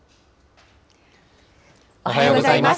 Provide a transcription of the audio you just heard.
おはようございます。